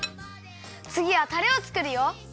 つぎはたれをつくるよ。